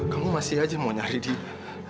kamu masih aja mau nyari dia